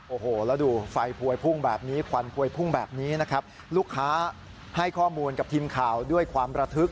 โอ้โหแล้วดูไฟพวยพุ่งแบบนี้ควันพวยพุ่งแบบนี้นะครับลูกค้าให้ข้อมูลกับทีมข่าวด้วยความระทึก